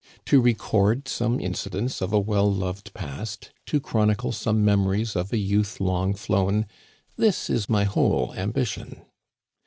To record some incidents of a well loved past, to chronicle some memoiies of a youth long flown — this is my whole ambition.